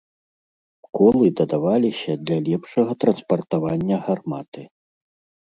Колы дадаваліся для лепшага транспартавання гарматы.